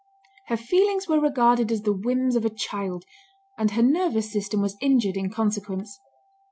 Her feelings were regarded as the whims of a child, and her nervous system was injured in consequence.